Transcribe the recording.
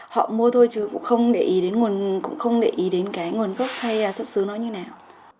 họ mua thôi chứ cũng không để ý đến nguồn gốc hay xuất xứ nó như nào